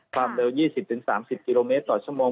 ความเร็ว๒๐๓๐กิโลเมตรต่อชั่วโมง